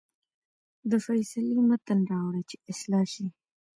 د فیصلې متن راوړه چې اصلاح شي.